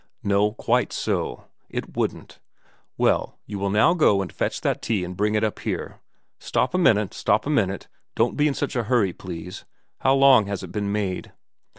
' No. Quite so. It wouldn't. Well, you will now go and fetch that tea and bring it up here. Stop a minute, stop a minute don't be in such a hurry, please. How long has it been made